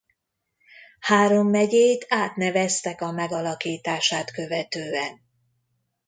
Három megyét átneveztek a megalakítását követően.